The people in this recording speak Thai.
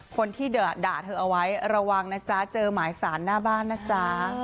คนที่ด่าเธอเอาไว้ระวังนะจ๊ะเจอหมายสารหน้าบ้านนะจ๊ะ